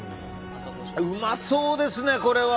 うまそうですね、これは。